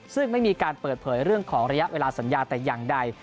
ซึ่งไม่มีการเปิดเผยเรื่องของระยะเวลาสัญญาแต่อย่างใด